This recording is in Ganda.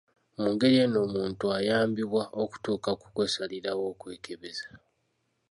Mu ngeri eno omuntu ayambibwa okutuuka ku kwesalirawo okwekebeza.